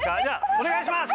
お願いします！